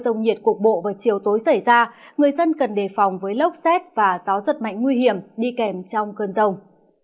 trong nhiệt cuộc bộ vào chiều tối xảy ra người dân cần đề phòng với lốc xét và gió rất mạnh nguy hiểm đi kèm trong cơn rồng